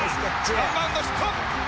ワンバウンドヒット！